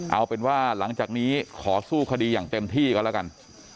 เอาเป็นว่าหลังจากนี้ขอสู้คดีอย่างเต็มที่กันแล้วกัน